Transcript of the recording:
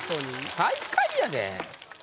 最下位やで。